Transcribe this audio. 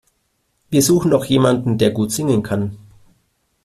Wir suchen noch jemanden, der gut singen kann.